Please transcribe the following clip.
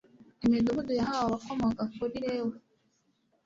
imidugudu yahawe abakomoka kuri lewi